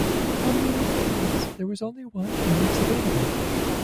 On the original release, there was only one remix available.